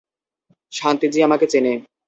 শান্তিজী আমাকে চেনে।